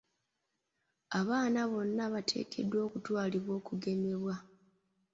Abaana bonna bateekeddwa okutwalibwa okugemebwa.